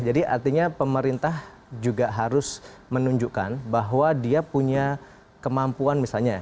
jadi artinya pemerintah juga harus menunjukkan bahwa dia punya kemampuan misalnya